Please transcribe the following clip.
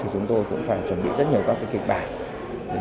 chúng tôi cũng phải chuẩn bị rất nhiều các kịch bản